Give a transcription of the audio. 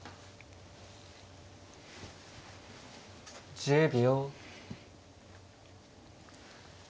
１０秒。